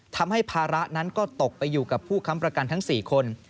ทำให้ภาระนั้นก็ตกไปอยู่กับผู้ค้ำประกันทั้ง๔คน